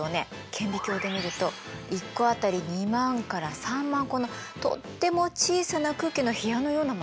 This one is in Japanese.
顕微鏡で見ると１個当たり２万から３万個のとっても小さな空気の部屋のようなものがあるのね。